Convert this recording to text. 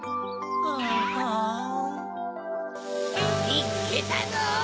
みつけたぞ！